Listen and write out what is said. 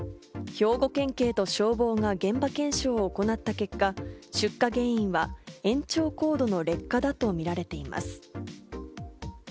兵庫県警と消防が現場検証を行った結果、出火原因は延長コードの劣化だとみられています。